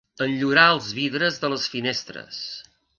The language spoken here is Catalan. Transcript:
Enllorar els vidres de les finestres.